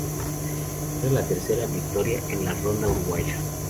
Era la tercera victoria en la ronda uruguaya.